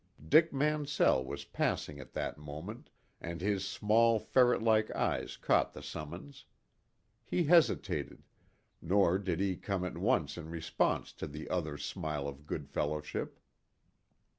Dick Mansell was passing at that moment, and his small, ferret like eyes caught the summons. He hesitated, nor did he come at once in response to the other's smile of good fellowship.